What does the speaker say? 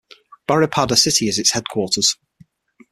Baripada city is its headquarters.